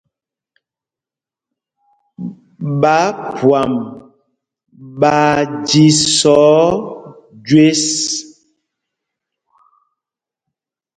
Ɓááphwam ɓaa jísɔ̄ɔ̄ jüés.